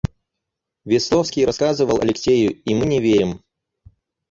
Весловский рассказывал Алексею, и мы не верим.